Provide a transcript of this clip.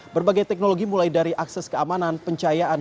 berbagai teknologi mulai dari akses keamanan pencahayaan